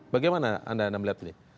bagaimana anda melihat ini